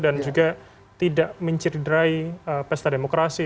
dan juga tidak mencirderai pesta demokrasi